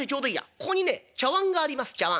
ここにね茶わんがあります茶わん。